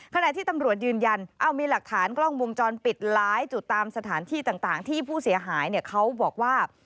ขณะที่ตำรวจยืนยันมีหลักฐานกล้องวงจรปิดหลายจุดตามสถานที่ต่างที่ผู้เสียหายเขาบอกว่า